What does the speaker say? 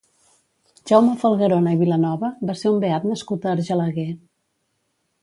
Jaume Falguerona i Vilanova va ser un beat nascut a Argelaguer.